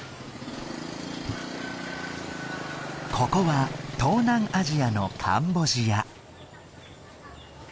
ここは東南アジアのカンボジア。